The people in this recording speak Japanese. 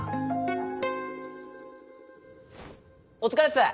お疲れっす！